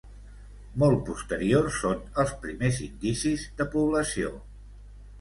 Molt posteriors són els primers indicis de població.